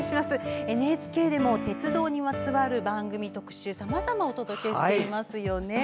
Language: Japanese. ＮＨＫでも鉄道にまつわる番組、特集をさまざまにお届けしていますよね。